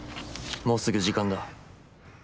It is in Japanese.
もうすぐ時間だ。